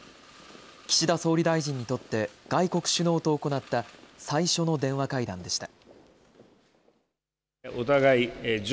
岸田総理大臣にとって、外国首脳と行った最初の電話会談でした。